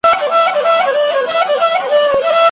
سياستوالو د دولتي قدرت ساتلو ته پام وکړ.